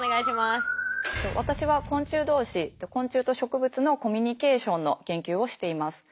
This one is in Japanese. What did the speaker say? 私は昆虫同士昆虫と植物のコミュニケーションの研究をしています。